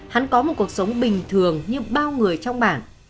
hắn có một cuộc sống bình thường như bao người trong cuộc sống